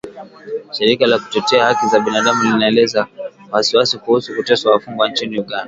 Shirika la kutetea haki za binadamu linaelezea wasiwasi kuhusu kuteswa wafungwa nchini Uganda